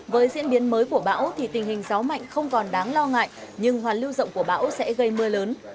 với diễn biến mới của bão thì tình hình gió mạnh không còn đáng lo ngại nhưng hoàn lưu rộng của bão sẽ gây mưa lớn